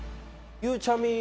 ゆうちゃみ